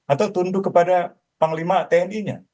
atau tunduk kepada panglima tni nya